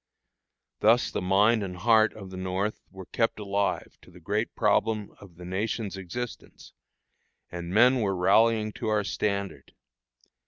Thus the mind and heart of the North were kept alive to the great problem of the nation's existence, and men were rallying to our standard.